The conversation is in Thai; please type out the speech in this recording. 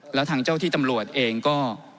แล้วทางเจ้าที่ตำรวจเองก็